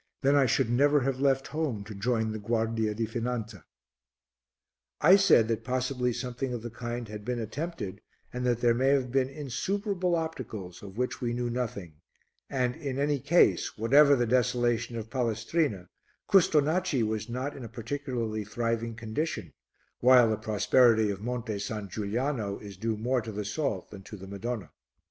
Then I should never have left home to join the guardia di finanza." I said that possibly something of the kind had been attempted, and that there may have been insuperable obstacles of which we knew nothing; and in any case, whatever the desolation of Palestrina, Custonaci was not in a particularly thriving condition, while the prosperity of Monte San Giuliano is due more to the salt than to the Madonna.